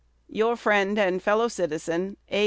Your Friend and Fellow Citizen, A.